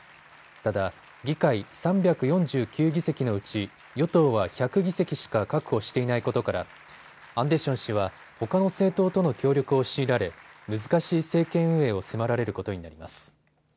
ただ議会３４９議席のうち与党は１００議席しか確保していないことからアンデション氏はほかの政党との協力を強いられ難しい政権運営を迫られることになります。